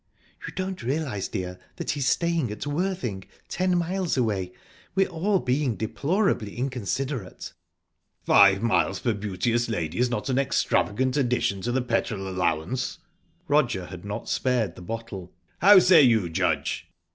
"You don't realise, dear, that he's staying at Worthing ten miles away. We're all being deplorably inconsiderate." "Five miles per beauteous lady is not an extravagant addition to the petrol allowance." Roger had not spared the bottle. "How say you, Judge?"